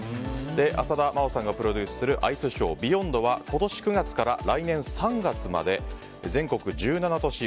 浅田真央さんがプロデュースするアイスショー「ＢＥＹＯＮＤ」は今年９月から来年３月まで全国１７都市